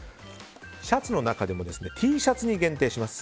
シャツの中でもＴシャツに限定します。